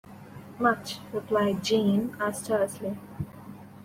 Much, replied Jeanne, as tersely.